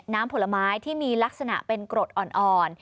ผลไม้ที่มีลักษณะเป็นกรดอ่อน